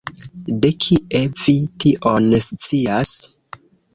De kie vi tion scias?